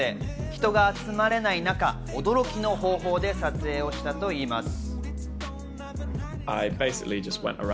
人が集まれない中、驚きの方法で撮影をしたといいます。